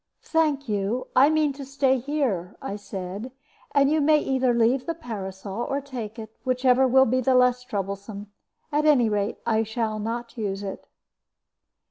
"Thank you; I mean to stay here," I said; "you may either leave the parasol or take it, whichever will be less troublesome. At any rate, I shall not use it."